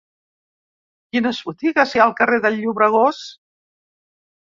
Quines botigues hi ha al carrer del Llobregós?